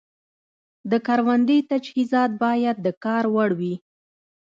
د کروندې تجهیزات باید د کار وړ وي.